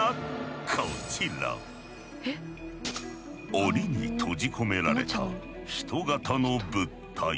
檻に閉じ込められた人型の物体。